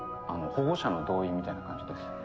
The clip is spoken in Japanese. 保護者の同意みたいな感じです。